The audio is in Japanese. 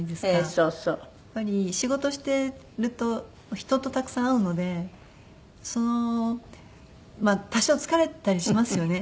やっぱり仕事してると人とたくさん会うのでそのまあ多少疲れたりしますよね。